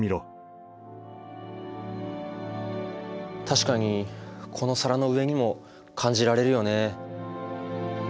確かにこの皿の上にも感じられるよね。